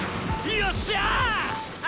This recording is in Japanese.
よっしゃあ！